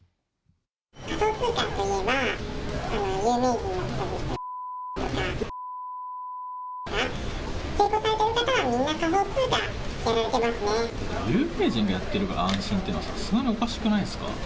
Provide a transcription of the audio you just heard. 仮想通貨といえば、有名人×××とか、×××とか、成功されてる方はみんな仮想通貨有名人がやっているから安心っていうのは、さすがにおかしくないですか。